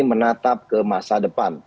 menatap ke masa depan